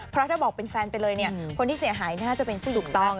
เพราะถ้าบอกเป็นแฟนไปเลยเนี่ยคนที่เสียหายน่าจะเป็นผู้ถูกต้อง